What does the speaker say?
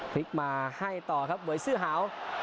พลิกมาให้ต่อครับมวยซื้อหาว